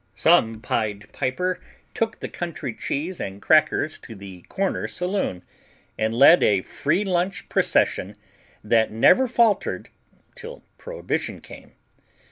Some Pied Piper took the country cheese and crackers to the corner saloon and led a free lunch procession that never faltered till Prohibition came.